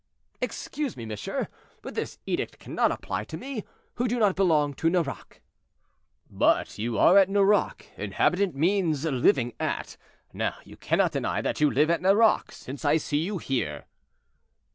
"Excuse me, monsieur, but this edict cannot apply to me, who do not belong to Nerac." "But you are at Nerac. Inhabitant means living at; now you cannot deny that you live at Nerac, since I see you here."